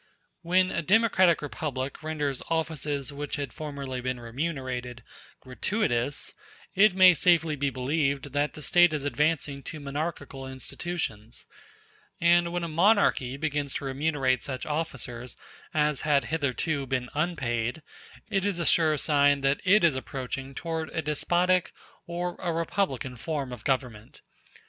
When a democratic republic renders offices which had formerly been remunerated gratuitous, it may safely be believed that the State is advancing to monarchical institutions; and when a monarchy begins to remunerate such officers as had hitherto been unpaid, it is a sure sign that it is approaching toward a despotic or a republican form of government.